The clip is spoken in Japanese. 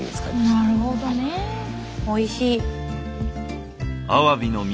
おいしい。